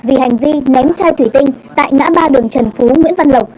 vì hành vi ném chai thủy tinh tại ngã ba đường trần phú nguyễn văn lộc